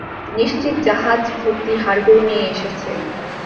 নিশ্চিত জাহজ ভর্তি হাড়-গোড় নিয়ে এসেছে!